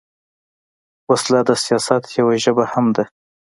وسله د سیاست یوه ژبه هم ده